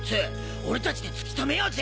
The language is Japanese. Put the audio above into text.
俺達で突き止めようぜ！